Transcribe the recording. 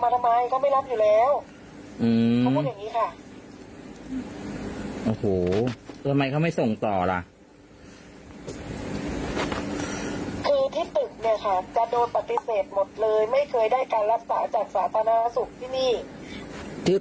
ที่ตึกเนี่ยค่ะจะโดนปฏิเสธหมดเลย